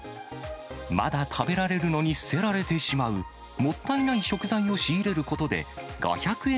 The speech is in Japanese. まだ食べられるのに捨てられてしまう、もったいない食材を仕入れることで、５００円